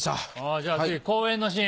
じゃあ次公園のシーン。